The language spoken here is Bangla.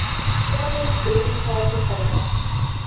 তোমাদের জেলি খাওয়া ঠিক হবে না।